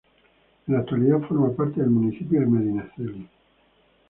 En la actualidad forma parte del municipio de Medinaceli.